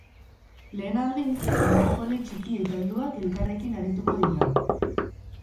Lehen aldiz danborjole txiki eta helduak elkarrekin arituko dira.